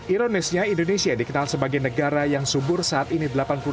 ironisnya indonesia dikenal sebagai negara yang subur saat ini